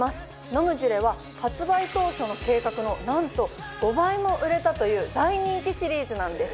飲むジュレは発売当初の計画のなんと５倍も売れたという大人気シリーズなんです。